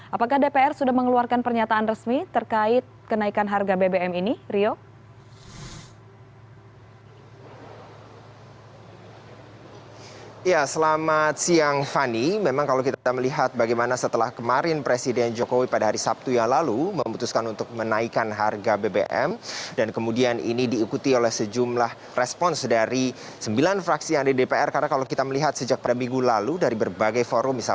apakah dpr sudah mengeluarkan pernyataan resmi terkait kenaikan harga bbm ini rio